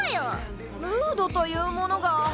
ムードというものが。